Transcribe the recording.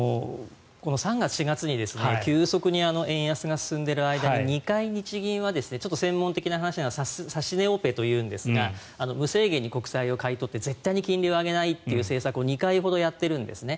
３月、４月に急速に円安が進んでいる間に２回、日銀は専門的な話ですが指し値オペというんですが無制限に国債を買い取って絶対金利を上げないという政策を２回ほどやってるんですね。